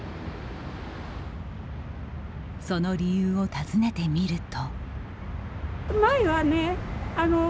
その理由を尋ねてみると。